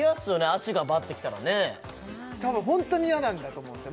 足がバッて来たらね多分ホントに嫌なんだと思うんですよ